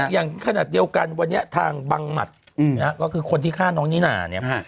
อย่างขนาดเดียวกันวันนี้ทางบังหมัดก็คือคนที่ฆ่าน้องนิน่าเนี่ย